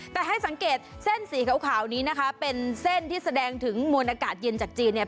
แต่ให้สังเกตเส้นสีขาวนี้นะคะเป็นเส้นที่แสดงถึงมวลอากาศเย็นจากจีนเนี่ย